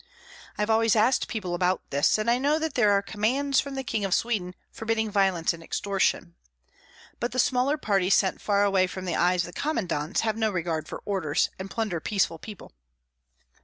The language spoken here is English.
I have always asked people about this, and I know that there are commands from the King of Sweden forbidding violence and extortion. But the smaller parties sent far away from the eyes of commandants have no regard for orders, and plunder peaceful people."